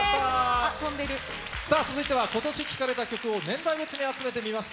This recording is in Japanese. さあ、続いてはことし聴かれた曲を年代別に集めてみました。